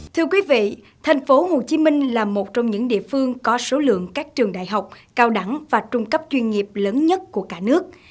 thưa quý vị thành phố hồ chí minh là một trong những địa phương có số lượng các trường đại học cao đẳng và trung cấp chuyên nghiệp lớn nhất của cả nước